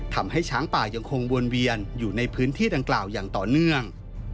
ทำให้ช้างป่ายังคงวนเวียนอยู่ในพื้นที่ดังกล่าวอย่างต่อเนื่อง